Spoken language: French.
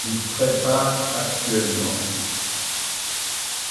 Il prépare actuellement '.